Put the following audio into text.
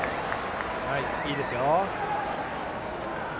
いいですよ。